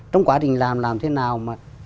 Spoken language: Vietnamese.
trong quá trình làm thế nào